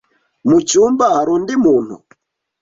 Mucyumba hari undi muntu?